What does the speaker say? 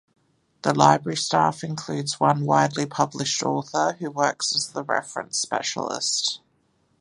The library staff includes one widely published author, who works as the reference specialist.